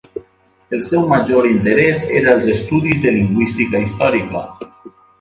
El seu major interès eren els estudis de lingüística històrica.